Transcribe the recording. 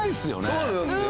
そうなんだよ。